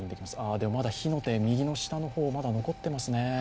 でも、まだ火の手、右の下の方、残ってますね。